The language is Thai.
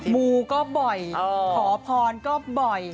มูก็บ่อยขอพรก็บ่อย